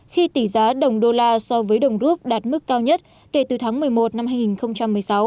khi tỷ giá đồng đô la so với đồng rút đạt mức cao nhất kể từ tháng một mươi một năm hai nghìn một mươi sáu